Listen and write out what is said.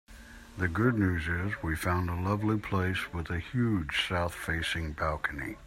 The good news is we found a lovely place with a huge south-facing balcony.